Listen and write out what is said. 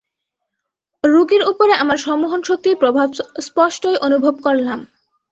রোগীর ওপরে আমার সম্মোহন শক্তির প্রভাব স্পষ্টই অনুভব করলাম।